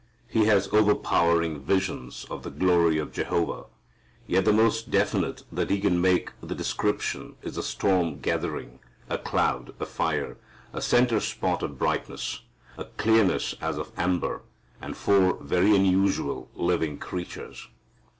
He has overpowering visions of the "glory of Jehovah." Yet the most definite that he can make the description is a storm gathering, a cloud, a fire, a centre spot of brightness, a clearness as of amber, and four very unusual living creatures.